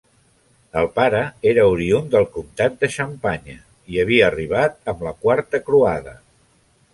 El pare era oriünd del comtat de Xampanya i havia arribat amb la quarta croada.